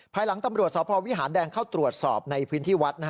ภายหลังตำรวจสพวิหารแดงเข้าตรวจสอบในพื้นที่วัด